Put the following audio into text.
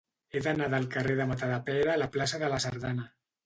He d'anar del carrer de Matadepera a la plaça de la Sardana.